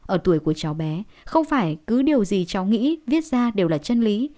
ở tuổi của cháu bé không phải cứ điều gì cháu nghĩ viết ra đều là chân lý